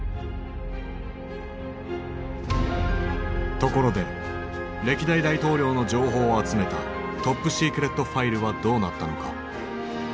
ところで歴代大統領の情報を集めたトップシークレット・ファイルはどうなったのか？